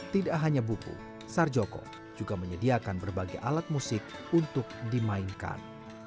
tidak hanya buku sarjoko juga menyediakan berbagai alat musik untuk dimainkan